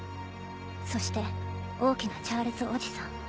そして「大きなチャールズおじさん」